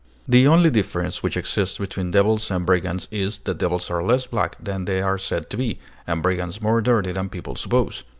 The only difference which exists between devils and brigands is, that devils are less black than they are said to be, and brigands more dirty than people suppose.